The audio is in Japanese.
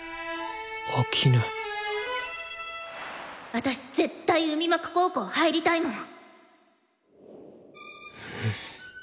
私絶対海幕高校入りたいもん！